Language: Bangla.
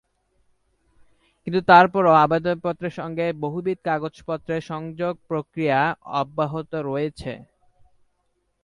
কিন্তু তারপরও আবেদনপত্রের সঙ্গে বহুবিধ কাগজপত্রের সংযোগ প্রক্রিয়া অব্যাহত রয়েছে।